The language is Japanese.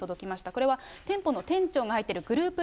これは店舗の店長が入ってるグループ